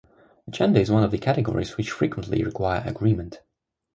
Gender is one of the categories which frequently require agreement.